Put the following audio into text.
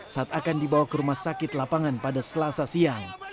saat akan dibawa ke rumah sakit lapangan pada selasa siang